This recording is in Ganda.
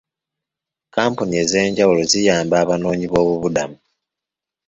Kkampuni ez'enjawulo ziyamba abanoonyiboobubudamu.